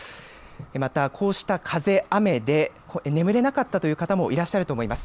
また、こうした風、雨で眠れなかったという方もいらっしゃると思います。